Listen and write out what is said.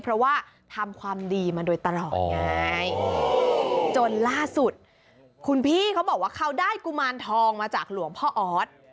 เพราะว่าทำความดีมาโดยตลอดไงจนล่าสุดคุณพี่เขาบอกว่าเขาได้กุมารทองมาจากหลวงพ่อออส